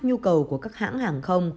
nhu cầu của các hãng hàng không